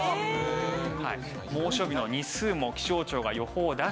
猛暑日の日数も気象庁が予報を出しています。